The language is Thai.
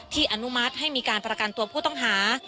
อนุมัติให้มีการประกันตัวผู้ต้องหา